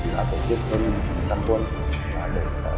là tổ chức cho nhân dân quân